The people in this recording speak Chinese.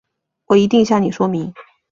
我一定向你说明